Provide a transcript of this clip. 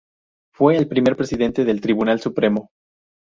Fue el primer presidente del Tribunal Supremo.